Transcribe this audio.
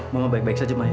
mama baik baik saja maya